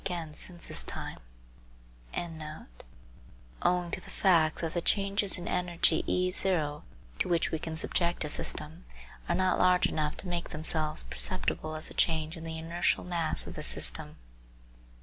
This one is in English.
48), owing to the fact that the changes in energy E to which we can Subject a system are not large enough to make themselves perceptible as a change in the inertial mass of the system.